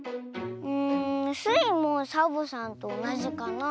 うんスイもサボさんとおなじかな。